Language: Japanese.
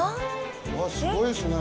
わっすごいですね。